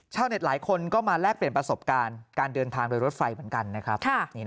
หลายคนก็มาแลกเปลี่ยนประสบการณ์การเดินทางโดยรถไฟเหมือนกันนะครับ